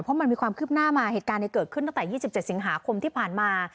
เพราะมันมีความคืบหน้ามาเหตุการณ์เกิดขึ้นตั้งแต่๒๗สิงหาคมที่ผ่านมา